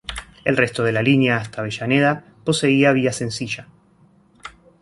El resto de la línea hasta Avellaneda poseía vía sencilla.